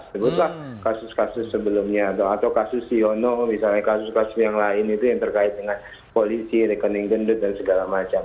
sebutlah kasus kasus sebelumnya atau kasus siono misalnya kasus kasus yang lain itu yang terkait dengan polisi rekening gendut dan segala macam